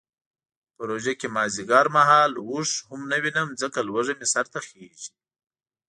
په روژه کې مازدیګر مهال اوښ هم نه وینم ځکه لوږه مې سرته خیژي.